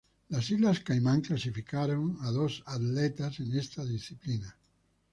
Islas Caimán clasificó a dos atletas en esta disciplina.